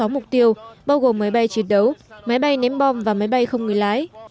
sáu mục tiêu bao gồm máy bay chiến đấu máy bay ném bom và máy bay không người lái